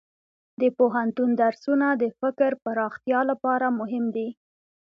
د پوهنتون درسونه د فکر پراختیا لپاره مهم دي.